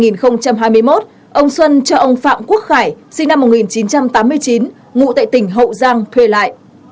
năm hai nghìn hai mươi một ông xuân cho ông phạm quốc khải sinh năm một nghìn chín trăm tám mươi chín ngụ tại tỉnh hậu giang thuê lại